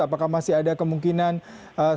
apakah masih ada kemungkinan